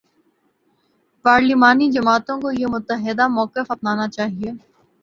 پارلیمانی جماعتوں کو یہ متحدہ موقف اپنانا چاہیے۔